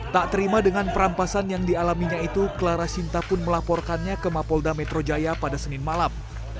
tak terima dengan perampasan yang dialaminya itu clara sinta pun melaporkannya ke mapolda metro jaya pada senin malam